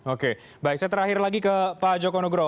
oke baik saya terakhir lagi ke pak joko nugro